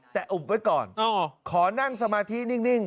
แต่อุบไว้ก่อนขอนั่งสมาธินิ่ง